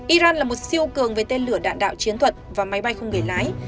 iran là một siêu cường về tên lửa đạn đạo chiến thuật và máy bay không người lái